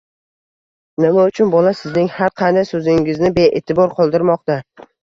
Nima uchun bola sizning har qanday so'zingizni bee'tibor qoldirmoqda.